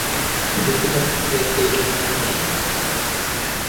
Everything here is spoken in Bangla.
যশোদার মতো দেখতে, এই রাধার মেয়ে।